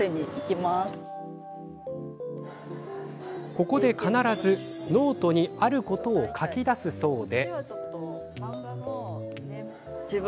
ここで必ず、ノートにあることを書き出すそうで。